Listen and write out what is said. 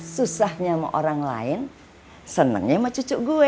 susahnya sama orang lain senangnya sama cucu gue